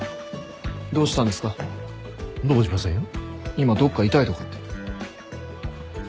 今どっか痛いとかって。